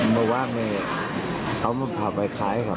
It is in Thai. เมื่อวานี้เขามาพาไปขายครับ